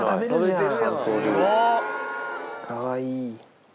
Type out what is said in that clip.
かわいい。